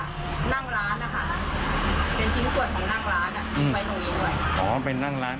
เป็นชิ้นส่วนของนั่งร้านอ่ะอืมชิ้นไว้ตรงนี้ด้วยอ๋อเป็นนั่งร้าน